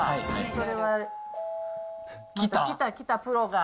それは。来た来た、プロが。